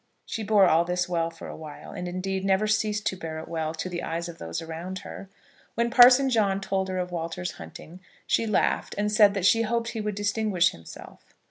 She bore all this well, for a while, and indeed never ceased to bear it well, to the eyes of those around her. When Parson John told her of Walter's hunting, she laughed, and said that she hoped he would distinguish himself.